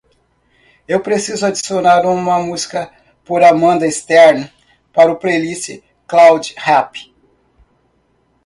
Eu preciso adicionar uma música por Amanda Stern para o playlist cloud rap.